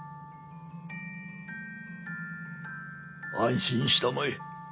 安心したまえ。